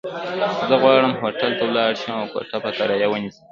زه غواړم هوټل ته ولاړ شم، او کوټه په کرايه ونيسم.